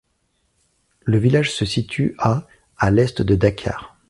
Le village se situe a à l'Est de Dakar.